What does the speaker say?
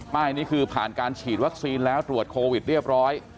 นี่คือผ่านการฉีดวัคซีนแล้วตรวจโควิดเรียบร้อย